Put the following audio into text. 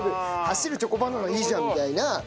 走るチョコバナナいいじゃんみたいな。